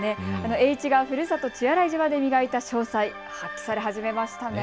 栄一がふるさと血洗島で磨いた商才が発揮され始めましたね。